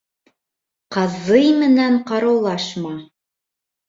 Ҡазый менән ҡарыулашма